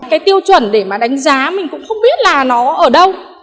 cái tiêu chuẩn để mà đánh giá mình cũng không biết là nó ở đâu